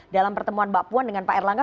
dalam pertemuan mbak puan dengan pak erlangga